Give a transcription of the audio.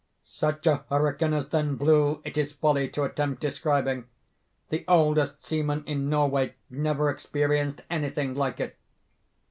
"Such a hurricane as then blew it is folly to attempt describing. The oldest seaman in Norway never experienced any thing like it.